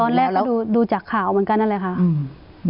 ตอนแรกก็ดูจากข่าวเหมือนกันนั่นแหละค่ะ